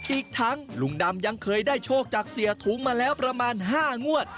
อีกทั้งลุงดำยังเคยได้โชคจากเสียถุงมาแล้วประมาณ๕งวด